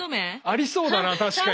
ありそうだ。